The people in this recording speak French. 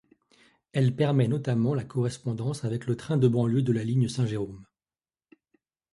Elle permet notamment la correspondance avec le train de banlieue de la ligne Saint-Jérôme.